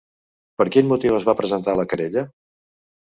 Per quin motiu es va presentar la querella?